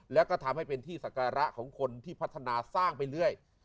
แล้วก็ทำให้เป็นที่ศักระของคนที่พัฒนาสร้างไปเรื่อย